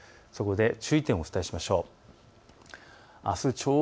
注意点をお伝えしましょう。